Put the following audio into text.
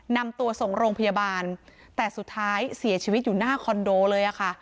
นำตัวส่งโรงพยาบาลแต่สุดท้ายเสียชีวิตอยู่หน้าคอนโดเลยค่ะ